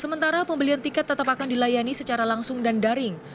sementara pembelian tiket tetap akan dilayani secara langsung dan daring